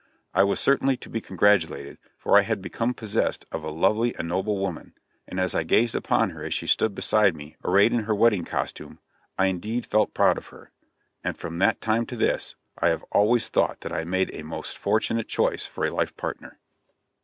I was certainly to be congratulated, for I had become possessed of a lovely and noble woman, and as I gazed upon her as she stood beside me arrayed in her wedding costume, I indeed felt proud of her; and from that time to this I have always thought that I made a most fortunate choice for a life partner.